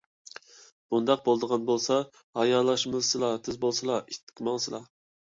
بۇنداق بولىدىغان بولسا ھايالشىمىسىلا، تېز بولسىلا! ئىتتىك ماڭسىلا.